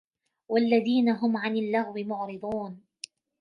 والذين هم عن اللغو معرضون